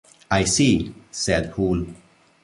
"I see," said Hull.